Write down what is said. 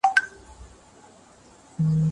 کله له حده زیات تکراري ژوند د ذهني ستړیا لامل کېږي؟